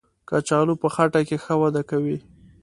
کچالو په خټه کې ښه وده کوي